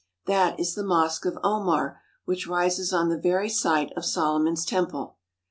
That is the Mosque of Omar which rises on the very site of Solomon's temple.